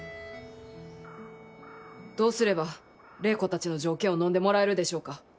どうすれば礼子たちの条件をのんでもらえるでしょうか。